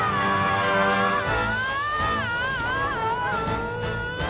ああ！